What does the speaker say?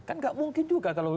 kan nggak mungkin juga kalau